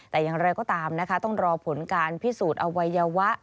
แต่อย่างไรก็ตามนะคะต้องรอผลการพิสูจน์อวัยวะ